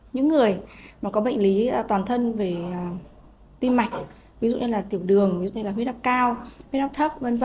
những người mà có bệnh lý toàn thân về tim mạch ví dụ như là tiểu đường ví dụ như là huyết áp cao huyết áp thấp v v